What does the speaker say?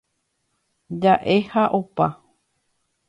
Jaʼe ha opa.